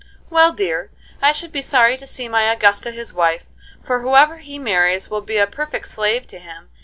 "Well, dear, I should be sorry to see my Augusta his wife, for whoever he marries will be a perfect slave to him.